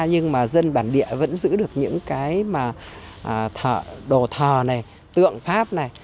nhưng mà dân bản địa vẫn giữ được những cái mà đồ thờ này tượng pháp này